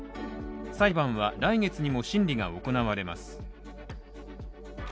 裁判は来月にも審理が行われます。